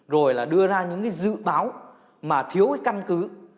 rồi đưa ra những dự báo mà thiếu căn cứ